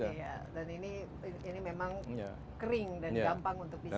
dan ini memang kering dan gampang untuk disihkan